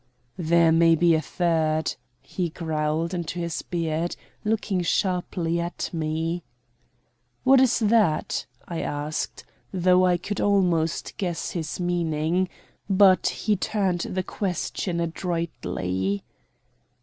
"There may be a third," he growled into his beard, looking sharply at me. "What is that?" I asked, though I could almost guess his meaning. But he turned the question adroitly.